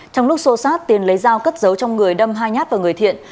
trong lúc xô xát tiến lấy dao cất dấu trong người đâm hai nhát vào người thiện